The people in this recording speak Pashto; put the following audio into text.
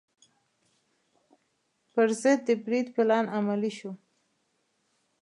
پر ضد د برید پلان عملي شو.